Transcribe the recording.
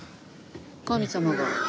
神様が。